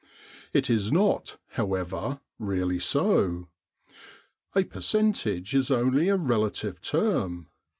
It is not, however, really so. A percentage is only a relative term.